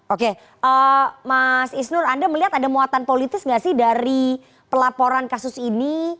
oke mas isnur anda melihat ada muatan politis nggak sih dari pelaporan kasus ini